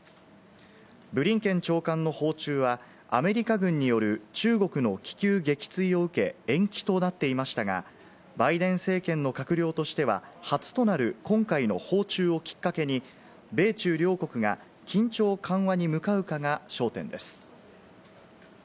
ブリンケン長官の訪中はアメリカ軍による中国の気球撃墜を受け、延期となっていましたが、バイデン政権の閣僚としては初となる今回の訪中をきっかけに、米中両国が緊張緩和に向かうかが焦点です。